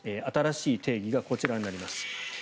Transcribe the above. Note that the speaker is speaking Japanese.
新しい定義がこちらになります。